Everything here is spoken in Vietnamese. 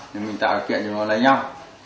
thì mình tạo điều kiện cho nó lấy nhau